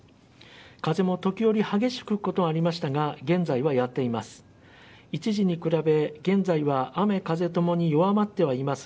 風も時折激しく吹くことはありましたが現在は、やんでいます。